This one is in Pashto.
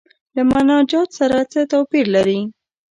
له مناجات سره څه توپیر لري.